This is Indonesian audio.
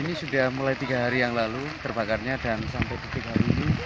ini sudah mulai tiga hari yang lalu terbakarnya dan sampai titik hari ini